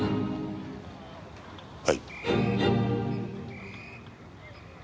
はい。